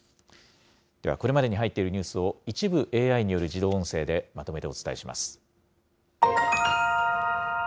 ではこれまでに入っているニュースを、一部、ＡＩによる自動音声でまとめてお伝えします。